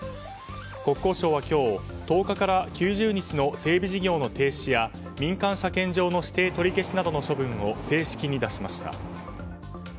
国交省は今日、１０日から９０日の整備事業の停止や民間車検場の指定取り消しなどの処分を正式に出しました。